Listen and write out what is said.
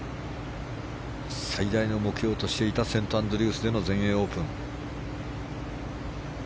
最大の目標としていたセントアンドリュースでの全英オープン。